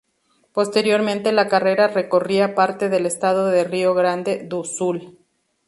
Posteriormente la carrera recorría parte del estado de Río Grande do Sul.